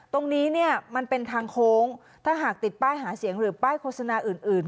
ตรงนี้เนี่ยมันเป็นทางโค้งถ้าหากติดป้ายหาเสียงหรือป้ายโฆษณาอื่น